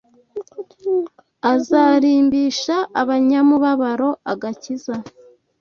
Azarimbisha abanyamubabaro agakiza